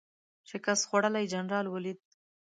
شکست خوړلی جنرال ولید.